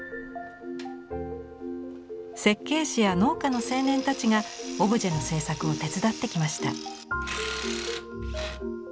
設計士や農家の青年たちがオブジェの制作を手伝ってきました。